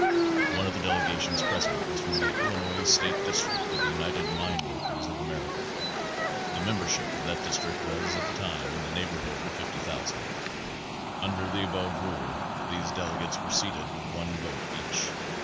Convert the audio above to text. One of the delegations present was from the Illi nois State District of the United Mine Workers of America. The membership of that district at that time was in the neighborhood of 50,000. Under the above rule these delegates were seated with one vote each.